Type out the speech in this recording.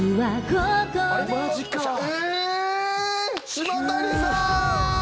島谷さん！